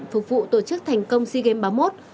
phục vụ tổ chức thành công sea games ba mươi một